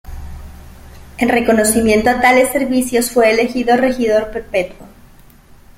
En reconocimiento a tales servicios fue elegido regidor perpetuo.